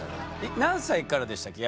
何歳からでしたっけ？